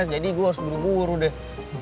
jadi gue harus buru buru deh